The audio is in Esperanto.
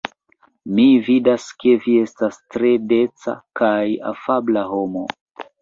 Mi vidas ke vi estas tre deca kaj afabla homo.